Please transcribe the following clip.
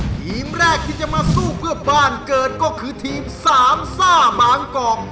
ทีมแรกที่จะมาสู้เพื่อบ้านเกิดก็คือทีมสามซ่าบางกอก